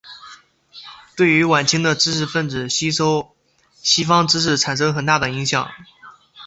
对于晚清的知识分子吸收西方知识产生很大的影响。